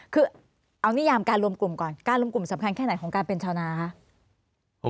คือเอานิยามการรวมกลุ่มก่อนการรวมกลุ่มสำคัญแค่ไหนของการเป็นชาวนาคะ